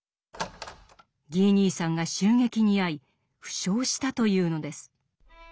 ギー兄さんが襲撃にあい負傷したというのです。